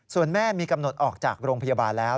ส่วนแม่มีกำหนดออกจากโรงพยาบาลแล้ว